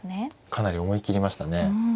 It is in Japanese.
かなり思い切りましたね。